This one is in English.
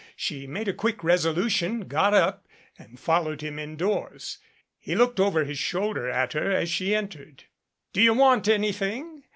She made a quick resolution, got up and followed him indoors. He looked over his shoulder at her as she entered. "Do you want anything?"